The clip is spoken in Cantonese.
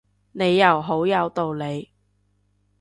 你又好有道理